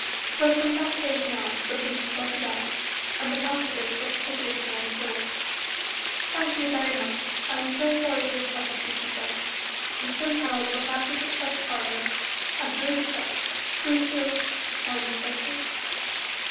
For from that face now something was blotted out, and the lack of it was piteous beyond thought. "Thank you very much. I am so sorry to have troubled you," she said, and somehow got out of the plush parlour, and through the shop, fruit filled, orange scented.